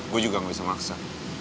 gue juga gak bisa maksa